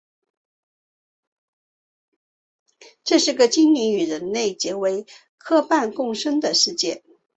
这是个精灵与人类结为夥伴共生的世界。